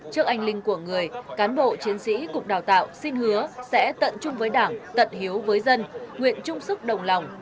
trước anh linh của người cán bộ chiến sĩ cục đào tạo xin hứa sẽ tận chung với đảng tận hiếu với dân nguyện chung sức đồng lòng